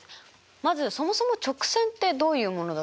まずそもそも直線ってどういうものだと思いますか？